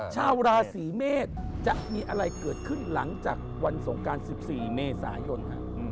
ชาวราศีเมษจะมีอะไรเกิดขึ้นหลังจากวันสงการ๑๔เมษายน